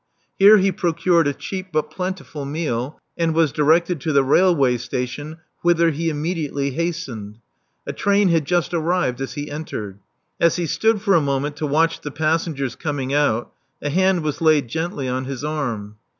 Here he procured a cheap but plentiful meal, and was directed to the railway station, whither he immediately hastened. A train had just arrived as he entered. As he stood for a moment to watch the passengers coming out, a hand was laid gently on his arm.